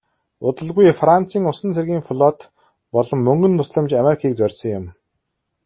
Удалгүй францын усан цэргийн флот болон мөнгөн тусламж америкийг зорьсон юм.